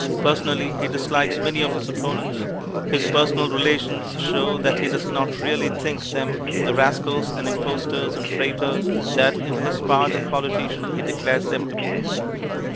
Personally he likes many of his opponents. His personal relations show that he does not really think them the rascals and impostors and traitors that in his part of politician he declares them to be.